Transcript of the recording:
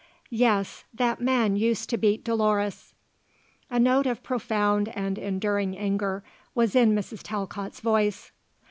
Yes; that man used to beat Dolores." A note of profound and enduring anger was in Mrs. Talcott's voice.